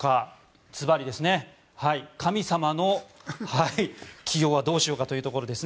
ずばり神様の起用はどうしようかというところです。